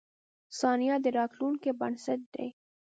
• ثانیه د راتلونکې بنسټ دی.